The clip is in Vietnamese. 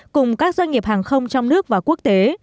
cùng các doanh nghiệp hàng không trong nước và quốc tế